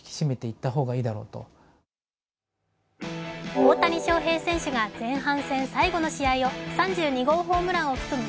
大谷翔平選手が前半戦最後の塩井を３２号ホームランを含む